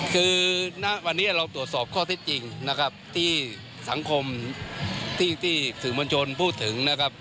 คือณวันนี้เราตรวจสอบข้อเท็จจริงนะครับที่สังคมที่สื่อมวลชนพูดถึงนะครับ